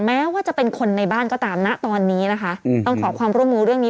แม้ว่าจะเป็นคนในบ้านก็ตามนะตอนนี้นะคะต้องขอความร่วมมือเรื่องนี้